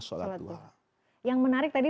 sholat duha yang menarik tadi